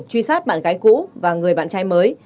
truy sát bạn gái cũ và người bạn trai mới